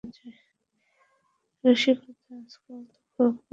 রসিকদা, আজকাল তো খুব খাওয়াচ্ছ দেখছি।